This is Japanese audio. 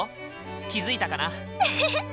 気付いたかな？